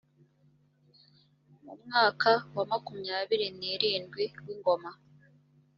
mu mwaka wa makumyabiri n irindwi w ingoma